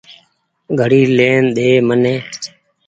گھڙي لين ۮي مني ۔